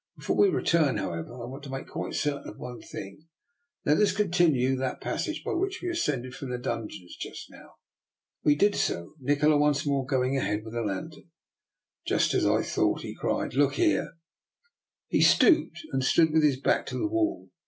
Before we return, however, I want to make quite certain of one thing; let us continue that passage by which we ascend ed from the dungeons just now." We did so, Nikola once more going ahead with the lantern. " Just as I thought," he cried. " Look here." He stopped, and stood with his back to the wall.